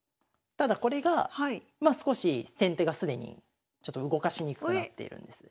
ただこれがまあ少し先手が既にちょっと動かしにくくなっているんです。